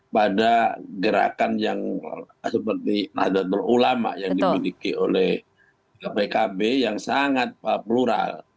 pada gerakan yang seperti nadatul ulama yang dimiliki oleh pkb yang sangat plural